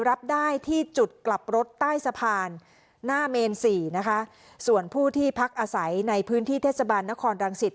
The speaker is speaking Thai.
รับได้ที่จุดกลับรถใต้สะพานหน้าเมนสี่นะคะส่วนผู้ที่พักอาศัยในพื้นที่เทศบาลนครรังสิต